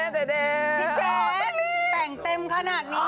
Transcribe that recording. พี่แจ๊ดแต่งเต็มขนาดนี้